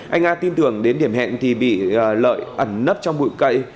anh a tin tưởng đến điểm hẹn thì bị lợi ẩn nấp trong bụi cây